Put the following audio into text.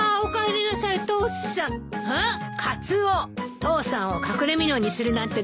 父さんを隠れみのにするなんてずるいわよ。